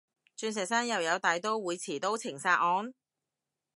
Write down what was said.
鑽石山又有大刀會持刀情殺案？